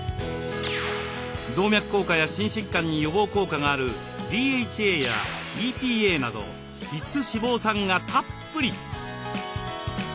動脈硬化や心疾患に予防効果があるＤＨＡやＥＰＡなど必須脂肪酸がたっぷり。